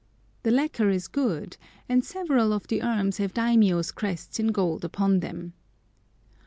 The lacquer is good, and several of the urns have daimiyô's crests in gold upon them.